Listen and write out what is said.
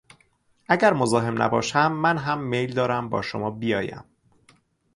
اگر مزاحم نباشم، من هم میل دارم با شما بیایم.